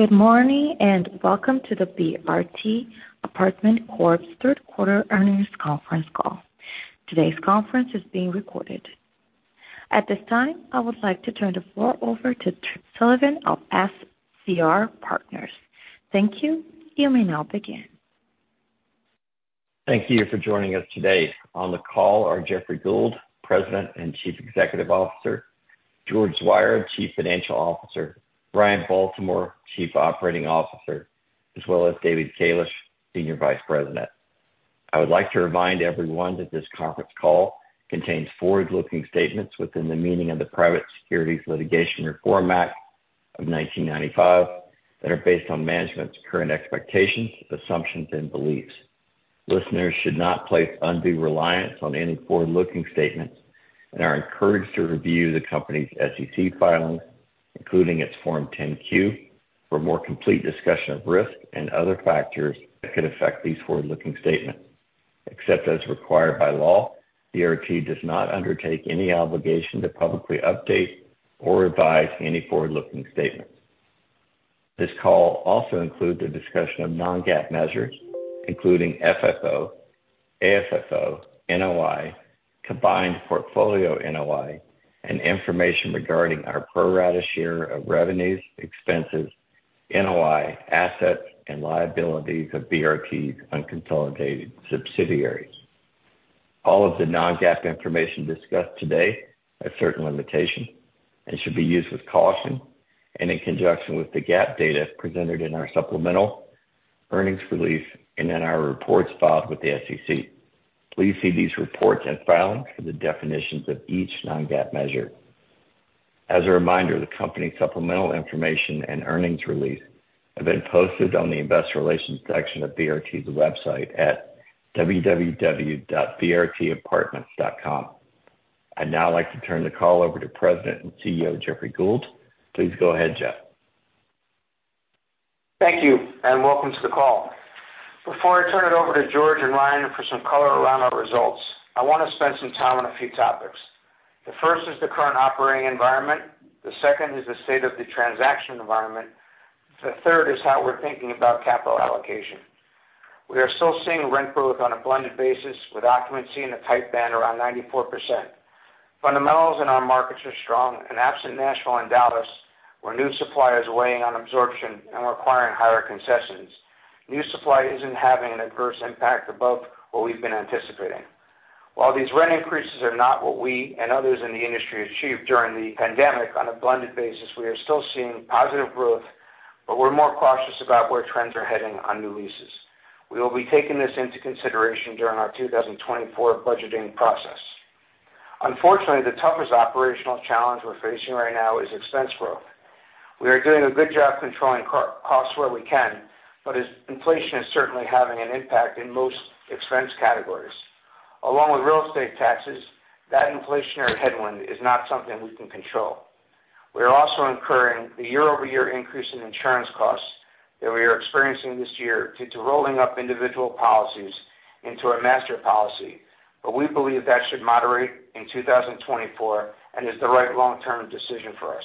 Good morning, and welcome to the BRT Apartments Corp's third quarter earnings conference call. Today's conference is being recorded. At this time, I would like to turn the floor over to Tripp Sullivan of SCR Partners. Thank you. You may now begin. Thank you for joining us today. On the call are Jeffrey Gould, President and Chief Executive Officer, George Zweier, Chief Financial Officer, Ryan Baltimore, Chief Operating Officer, as well as David Kalish, Senior Vice President. I would like to remind everyone that this conference call contains forward-looking statements within the meaning of the Private Securities Litigation Reform Act of 1995, that are based on management's current expectations, assumptions, and beliefs. Listeners should not place undue reliance on any forward-looking statements and are encouraged to review the company's SEC filings, including its Form 10-Q, for a more complete discussion of risks and other factors that could affect these forward-looking statements. Except as required by law, BRT does not undertake any obligation to publicly update or revise any forward-looking statements. This call also includes a discussion of non-GAAP measures, including FFO, AFFO, NOI, combined portfolio NOI, and information regarding our pro rata share of revenues, expenses, NOI, assets, and liabilities of BRT's unconsolidated subsidiaries. All of the non-GAAP information discussed today has certain limitations and should be used with caution and in conjunction with the GAAP data presented in our supplemental earnings release and in our reports filed with the SEC. Please see these reports and filings for the definitions of each non-GAAP measure. As a reminder, the company's supplemental information and earnings release have been posted on the investor relations section of BRT's website at www.brtapartments.com. I'd now like to turn the call over to President and CEO, Jeffrey Gould. Please go ahead, Jeffrey. Thank you, and welcome to the call. Before I turn it over to George and Ryan for some color around our results, I want to spend some time on a few topics. The first is the current operating environment. The second is the state of the transaction environment. The third is how we're thinking about capital allocation. We are still seeing rent growth on a blended basis, with occupancy in a tight band around 94%. Fundamentals in our markets are strong and absent Nashville and Dallas, where new supply is weighing on absorption and requiring higher concessions. New supply isn't having an adverse impact above what we've been anticipating. While these rent increases are not what we and others in the industry achieved during the pandemic, on a blended basis, we are still seeing positive growth, but we're more cautious about where trends are heading on new leases. We will be taking this into consideration during our 2024 budgeting process. Unfortunately, the toughest operational challenge we're facing right now is expense growth. We are doing a good job controlling costs where we can, but as inflation is certainly having an impact in most expense categories. Along with real estate taxes, that inflationary headwind is not something we can control. We are also incurring a year-over-year increase in insurance costs that we are experiencing this year due to rolling up individual policies into a master policy, but we believe that should moderate in 2024 and is the right long-term decision for us.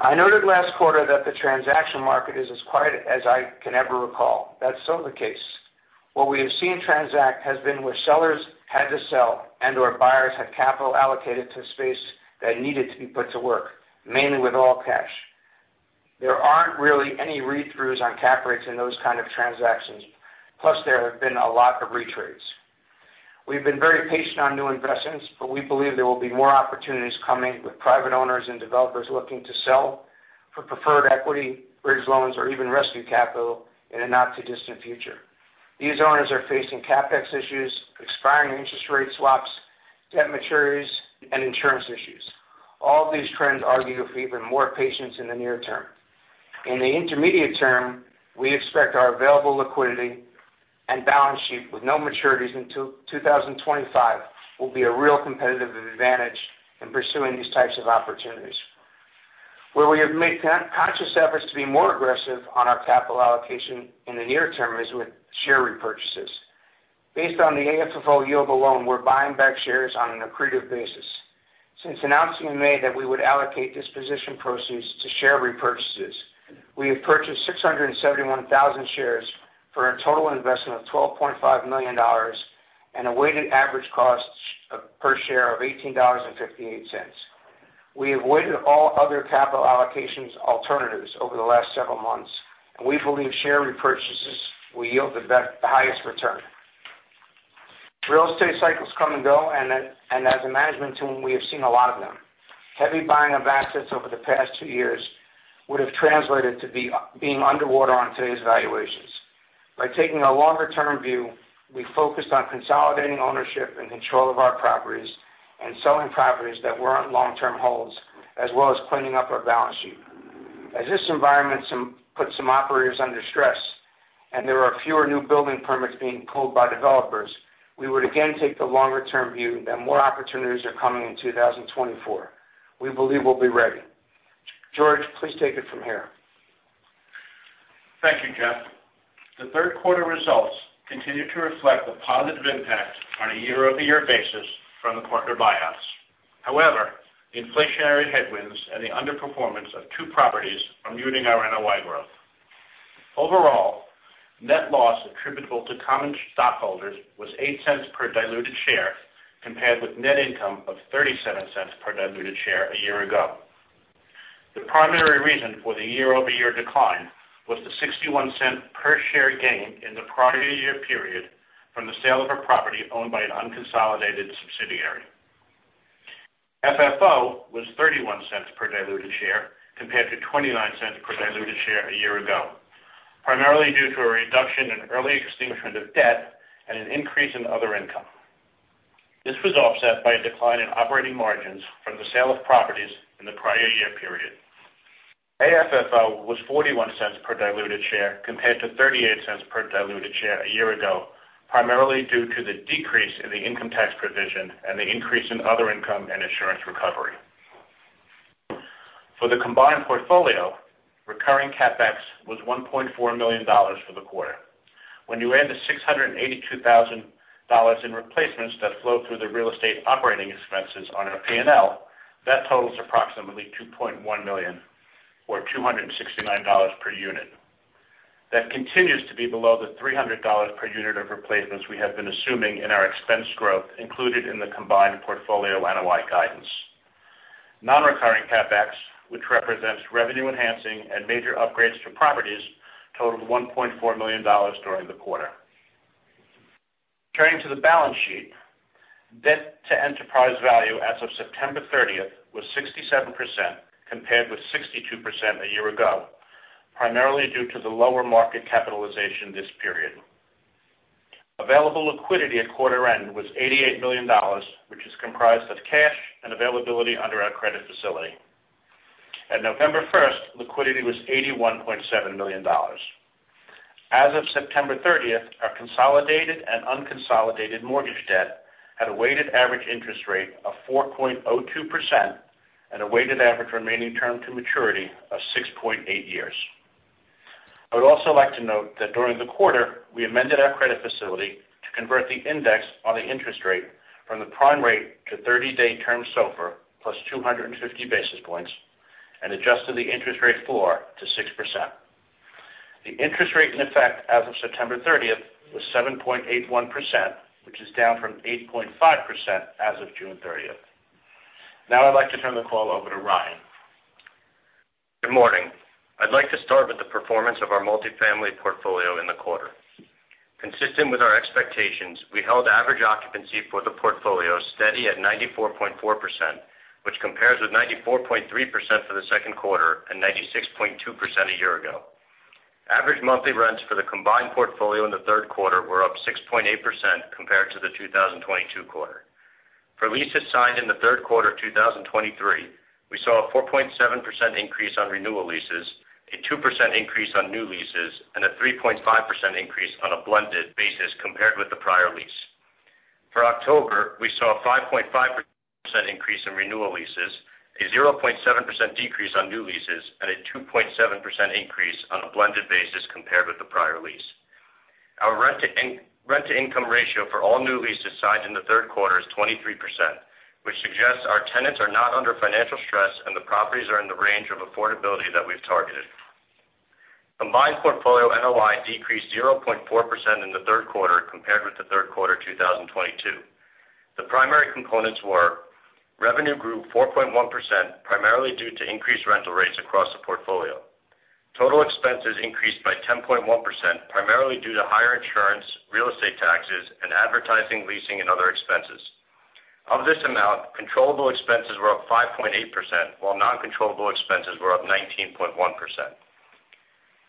I noted last quarter that the transaction market is as quiet as I can ever recall. That's still the case. What we have seen transact has been where sellers had to sell and/or buyers had capital allocated to space that needed to be put to work, mainly with all cash. There aren't really any read-throughs on cap rates in those kind of transactions, plus there have been a lot of retrades. We've been very patient on new investments, but we believe there will be more opportunities coming with private owners and developers looking to sell for preferred equity, bridge loans, or even rescue capital in a not-too-distant future. These owners are facing CapEx issues, expiring interest rate swaps, debt maturities, and insurance issues. All of these trends argue for even more patience in the near term. In the intermediate term, we expect our available liquidity and balance sheet with no maturities until 2025 will be a real competitive advantage in pursuing these types of opportunities. Where we have made conscious efforts to be more aggressive on our capital allocation in the near term is with share repurchases. Based on the AFFO yield alone, we're buying back shares on an accretive basis. Since announcing in May that we would allocate disposition proceeds to share repurchases, we have purchased 671,000 shares for a total investment of $12.5 million and a weighted average cost per share of $18.58. We avoided all other capital allocation alternatives over the last several months, and we believe share repurchases will yield the highest return. Real estate cycles come and go, and as a management team, we have seen a lot of them. Heavy buying of assets over the past two years would have translated to being underwater on today's valuations. By taking a longer-term view, we focused on consolidating ownership and control of our properties and selling properties that weren't long-term holds, as well as cleaning up our balance sheet. As this environment puts some operators under stress, and there are fewer new building permits being pulled by developers, we would again take the longer-term view that more opportunities are coming in 2024. We believe we'll be ready. George, please take it from here.... Thank you, Jeffrey. The third quarter results continue to reflect the positive impact on a year-over-year basis from the partner buyouts. However, the inflationary headwinds and the underperformance of two properties are muting our NOI growth. Overall, net loss attributable to common stockholders was $0.08 per diluted share, compared with net income of $0.37 per diluted share a year ago. The primary reason for the year-over-year decline was the $0.61 per share gain in the prior year period from the sale of a property owned by an unconsolidated subsidiary. FFO was $0.31 per diluted share, compared to $0.29 per diluted share a year ago, primarily due to a reduction in early extinguishment of debt and an increase in other income. This was offset by a decline in operating margins from the sale of properties in the prior year period. AFFO was $0.41 per diluted share compared to $0.38 per diluted share a year ago, primarily due to the decrease in the income tax provision and the increase in other income and insurance recovery. For the combined portfolio, recurring CapEx was $1.4 million for the quarter. When you add the $682,000 in replacements that flow through the real estate operating expenses on our P&L, that totals approximately $2.1 million, or $269 per unit. That continues to be below the $300 per unit of replacements we have been assuming in our expense growth included in the combined portfolio NOI guidance. Non-recurring CapEx, which represents revenue enhancing and major upgrades to properties, totaled $1.4 million during the quarter. Turning to the balance sheet, debt to enterprise value as of September 30 was 67%, compared with 62% a year ago, primarily due to the lower market capitalization this period. Available liquidity at quarter end was $88 million, which is comprised of cash and availability under our credit facility. At November 1, liquidity was $81.7 million. As of September 30, our consolidated and unconsolidated mortgage debt had a weighted average interest rate of 4.02% and a weighted average remaining term to maturity of 6.8 years. I would also like to note that during the quarter, we amended our credit facility to convert the index on the interest rate from the prime rate to 30-day term SOFR plus 250 basis points and adjusted the interest rate floor to 6%. The interest rate in effect as of September 30 was 7.81%, which is down from 8.5% as of June 30. Now I'd like to turn the call over to Ryan. Good morning. I'd like to start with the performance of our multifamily portfolio in the quarter. Consistent with our expectations, we held average occupancy for the portfolio steady at 94.4%, which compares with 94.3% for the second quarter and 96.2% a year ago. Average monthly rents for the combined portfolio in the third quarter were up 6.8% compared to the 2022 quarter. For leases signed in the third quarter of 2023, we saw a 4.7% increase on renewal leases, a 2% increase on new leases, and a 3.5% increase on a blended basis compared with the prior lease. For October, we saw a 5.5% increase in renewal leases, a 0.7% decrease on new leases, and a 2.7% increase on a blended basis compared with the prior lease. Our rent-to-income ratio for all new leases signed in the third quarter is 23%, which suggests our tenants are not under financial stress, and the properties are in the range of affordability that we've targeted. Combined portfolio NOI decreased 0.4% in the third quarter compared with the third quarter of 2022. The primary components were: revenue grew 4.1%, primarily due to increased rental rates across the portfolio. Total expenses increased by 10.1%, primarily due to higher insurance, real estate taxes, and advertising, leasing, and other expenses. Of this amount, controllable expenses were up 5.8%, while non-controllable expenses were up 19.1%.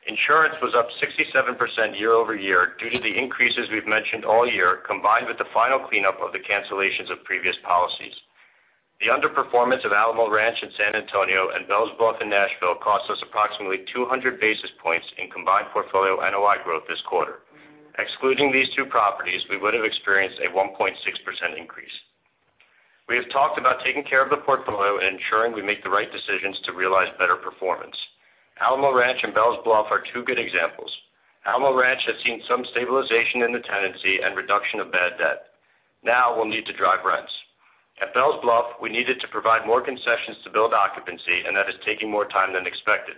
Insurance was up 67% year-over-year due to the increases we've mentioned all year, combined with the final cleanup of the cancellations of previous policies. The underperformance of Alamo Ranch in San Antonio and Bells Bluff in Nashville cost us approximately 200 basis points in combined portfolio NOI growth this quarter. Excluding these two properties, we would have experienced a 1.6% increase. We have talked about taking care of the portfolio and ensuring we make the right decisions to realize better performance. Alamo Ranch and Bells Bluff are two good examples. Alamo Ranch has seen some stabilization in the tenancy and reduction of bad debt. Now we'll need to drive rents. At Bells Bluff, we needed to provide more concessions to build occupancy, and that is taking more time than expected.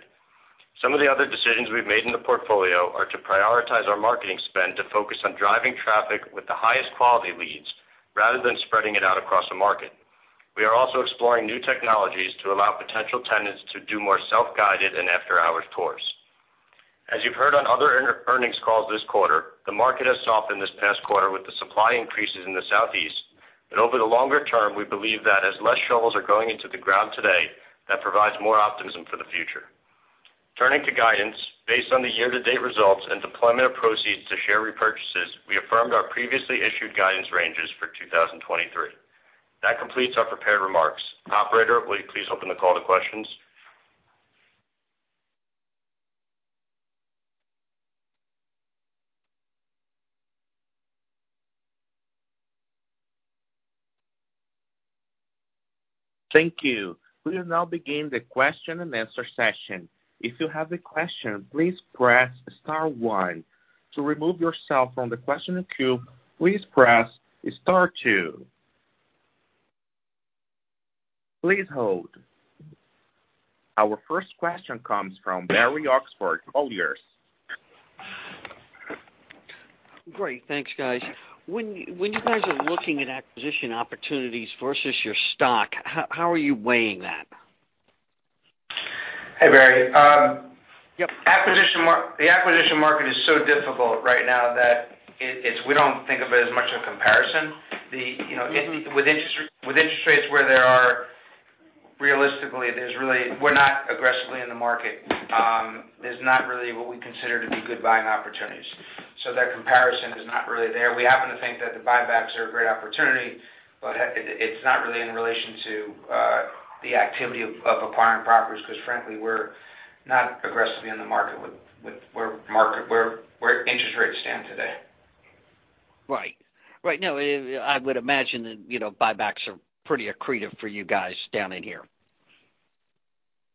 Some of the other decisions we've made in the portfolio are to prioritize our marketing spend to focus on driving traffic with the highest quality leads, rather than spreading it out across the market. We are also exploring new technologies to allow potential tenants to do more self-guided and after-hours tours. As you've heard on other earnings calls this quarter, the market has softened this past quarter with the supply increases in the Southeast, and over the longer term, we believe that as less shovels are going into the ground today, that provides more optimism for the future. Turning to guidance, based on the year-to-date results and deployment of proceeds to share repurchases, we affirmed our previously issued guidance ranges for 2023. That completes our prepared remarks. Operator, will you please open the call to questions? Thank you. We will now begin the question and answer session. If you have a question, please press star one. To remove yourself from the question queue, please press star two. Please hold. Our first question comes from Barry Oxford, Colliers. Great, thanks, guys. When you guys are looking at acquisition opportunities versus your stock, how are you weighing that? Hey, Barry. The acquisition market is so difficult right now that we don't think of it as much in comparison. You know, with interest rates where they are, realistically, there's really... We're not aggressively in the market. There's not really what we consider to be good buying opportunities. So that comparison is not really there. We happen to think that the buybacks are a great opportunity, but it's not really in relation to the activity of acquiring properties, because frankly, we're not aggressively in the market with where interest rates stand today. Right. Right now, I would imagine that, you know, buybacks are pretty accretive for you guys down in here.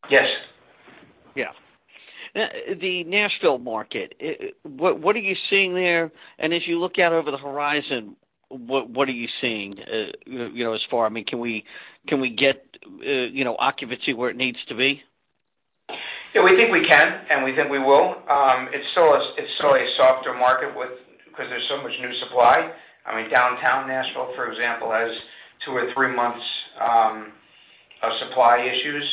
Yes. Yeah. The Nashville market, what are you seeing there? And as you look out over the horizon, what are you seeing, you know, as far, I mean, can we get, you know, occupancy where it needs to be? Yeah, we think we can, and we think we will. It's still a softer market with, because there's so much new supply. I mean, downtown Nashville, for example, has two or three months of supply issues,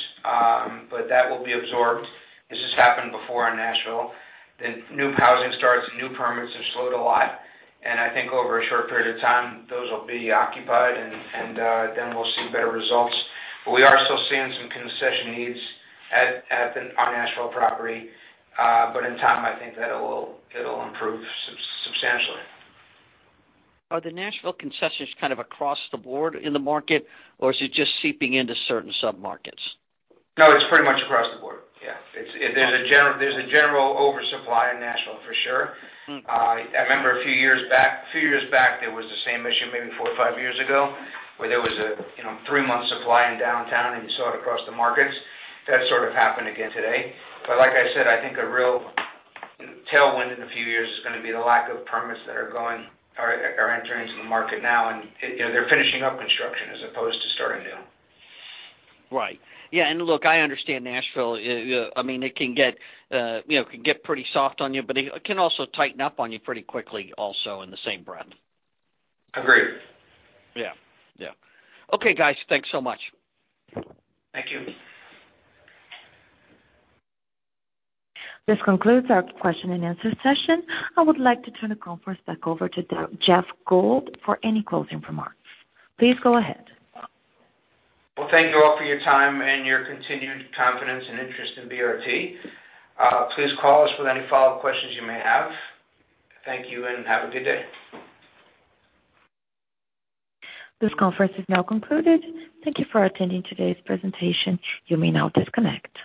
but that will be absorbed. This has happened before in Nashville. The new housing starts and new permits have slowed a lot, and I think over a short period of time, those will be occupied and then we'll see better results. But we are still seeing some concession needs at our Nashville property, but in time, I think that it will, it'll improve substantially. Are the Nashville concessions kind of across the board in the market, or is it just seeping into certain submarkets? No, it's pretty much across the board. Yeah, it's, there's a general oversupply in Nashville, for sure. Mm. I remember a few years back, a few years back, there was the same issue maybe 4 or 5 years ago, where there was, you know, 3-month supply in downtown, and you saw it across the markets. That sort of happened again today. But like I said, I think a real tailwind in a few years is gonna be the lack of permits that are going, are entering into the market now, and, you know, they're finishing up construction as opposed to starting new. Right. Yeah, and look, I understand Nashville. I mean, it can get, you know, can get pretty soft on you, but it can also tighten up on you pretty quickly also in the same breath. Agreed. Yeah. Yeah. Okay, guys. Thanks so much. Thank you. This concludes our question and answer session. I would like to turn the conference back over to Jeff Gould for any closing remarks. Please go ahead. Well, thank you all for your time and your continued confidence and interest in BRT. Please call us with any follow-up questions you may have. Thank you and have a good day. This conference is now concluded. Thank you for attending today's presentation. You may now disconnect.